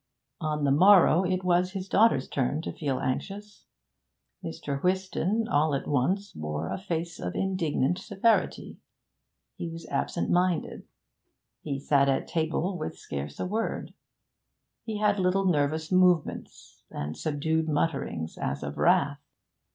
On the morrow it was his daughter's turn to feel anxious. Mr. Whiston all at once wore a face of indignant severity. He was absent minded; he sat at table with scarce a word; he had little nervous movements, and subdued mutterings as of wrath.